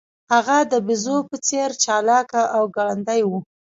هغه د بیزو په څیر چلاک او ګړندی و.